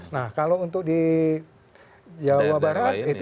nah kalau untuk di jawa barat itu